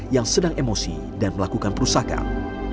yang sedang emosi dan melakukan perusakan